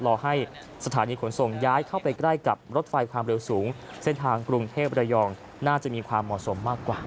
รอให้สถานีขนส่งย้ายเข้าไปใกล้กับรถไฟความเร็วสูงเส้นทางกรุงเทพระยองน่าจะมีความเหมาะสมมากกว่า